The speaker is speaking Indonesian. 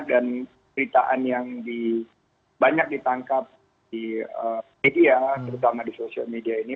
dan ceritaan yang banyak ditangkap di media terutama di sosial media ini